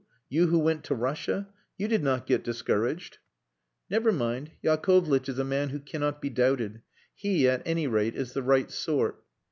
You who went to Russia? You did not get discouraged." "Never mind. Yakovlitch is a man who cannot be doubted. He, at any rate, is the right sort."